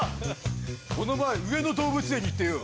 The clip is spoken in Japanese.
この前上野動物園に行ってよ